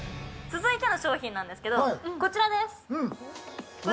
続いての商品なんですけどこちらです。